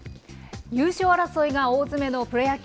優勝争いが大詰めのプロ野球。